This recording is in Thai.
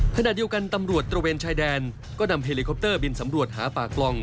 ขณะเดียวกันตำรวจตระเวนชายแดนก็นำเฮลิคอปเตอร์บินสำรวจหาป่ากล่อง